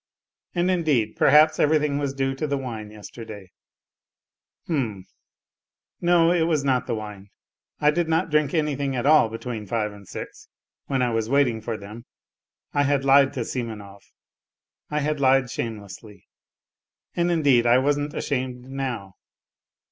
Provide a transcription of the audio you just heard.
And, indeed, perhaps, everything was due to the wine yesterday. H'm !... no, it was not the wine. I did not drink anything at all between five and six when I was waiting for them. I had lied to Simonov; I had lied shamelessly; and indeed I wasn't ashamed now.